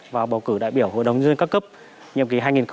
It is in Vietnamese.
và bầu cử đại biểu hội đồng nhân dân cao cấp